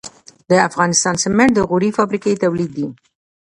د افغانستان سمنټ د غوري فابریکې تولید دي